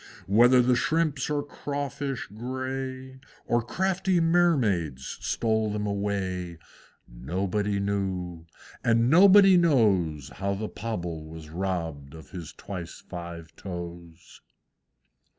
Whether the shrimps or crawfish gray, Or crafty Mermaids stole them away, Nobody knew; and nobody knows How the Pobble was robbed of his twice five toes!